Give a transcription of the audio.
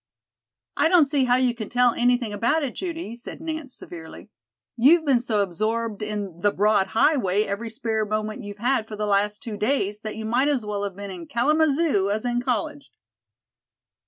"I don't see how you can tell anything about it, Judy," said Nance severely. "You've been so absorbed in 'The Broad Highway' every spare moment you've had for the last two days that you might as well have been in Kalamazoo as in college."